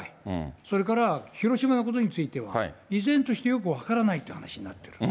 それから、広島のことについては、依然としてよく分からないって話になってる。